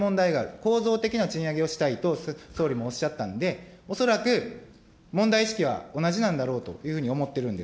構造的な賃上げをしたいと総理もおっしゃったんで、恐らく問題意識は同じなんだろうと思ってるんです。